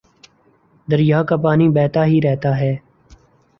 دریا کا پانی بہتا ہی رہتا ہے